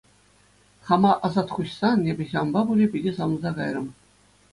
Хама асат хуҫсан эпӗ ҫавӑнпа пулӗ питӗ савӑнса кайрӑм.